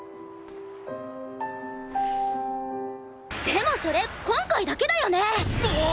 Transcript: でもそれ今回だけだよね！？